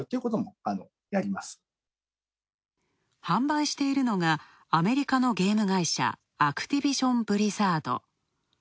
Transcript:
販売しているのがアメリカのゲーム会社、アクティビジョン・ブリザード。